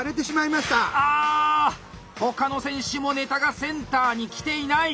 あ他の選手もネタがセンターに来ていない。